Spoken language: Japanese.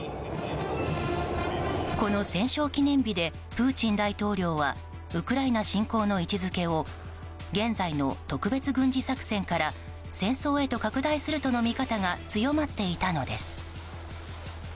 この戦勝記念日でプーチン大統領はウクライナ侵攻の位置づけを現在の特別軍事作戦から戦争へと拡大するとの見方が強まっていたのです。